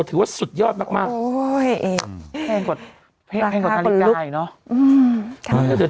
ถือว่าสุดยอดมากมากโอ้ยแค่กว่าแค่กว่าคลาฬิกายเนอะอืมค่ะ